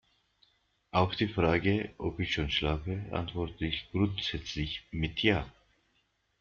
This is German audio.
Auf die Frage, ob ich schon schlafe, antworte ich grundsätzlich mit ja.